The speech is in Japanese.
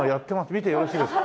見てよろしいですか？